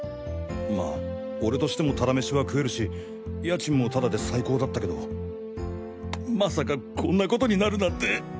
まあ俺としてもタダ飯は食えるし家賃もタダで最高だったけどまさかこんな事になるなんて。